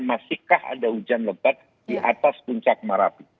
masihkah ada hujan lebat di atas puncak marapi